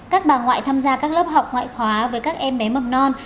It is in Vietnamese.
các bà ngoại tham gia các lớp học ngoại khóa với các em bé mầm non